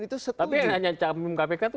itu setuju tapi yang hanya camim kpk itu